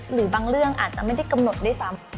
หรือบางเรื่องอาจจะไม่ได้กำหนดด้วยซ้ำ